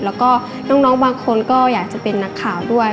แล้วก็น้องบางคนก็อยากจะเป็นนักข่าวด้วย